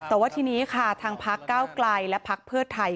แต่ว่าทีนี้ค่ะทางพักเก้าไกลและพักเพื่อไทย